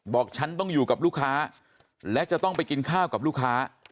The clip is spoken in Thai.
ฉันต้องอยู่กับลูกค้าและจะต้องไปกินข้าวกับลูกค้า